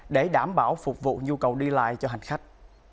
để đảm bảo phục vụ nhu cầu đi lại cho hành khách